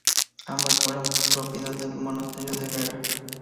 Ambas fueron propiedad del monasterio de Herrera.